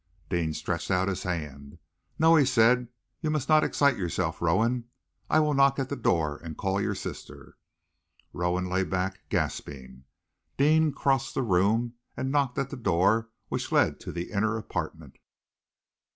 Deane stretched out his hand. "No!" he said. "You must not excite yourself Rowan. I will knock at the door and call your sister." Rowan lay back, gasping. Deane crossed the room and knocked at the door which led to the inner apartment.